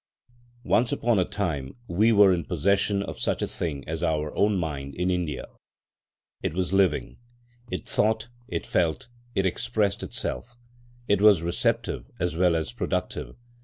Once upon a time we were in possession of such a thing as our own mind in India. It was living. It thought, it felt, it expressed itself. It was receptive as well as productive.